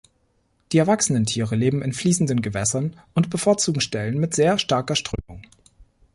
Die erwachsenen Tiere leben in fließenden Gewässern und bevorzugen Stellen mit sehr starker Strömung.